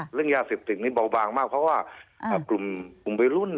เรื่องยาเสพติดนี่เบาบางมากเพราะว่ากลุ่มวัยรุ่น